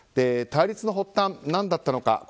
対立の発端は何だったのか。